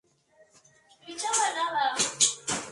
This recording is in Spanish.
Es decir, procesos de cambios que ocurren en un tiempo determinado.